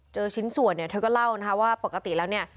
เจอชิ้นส่วนเธอก็เล่าว่าปกติแล้วเนี่ย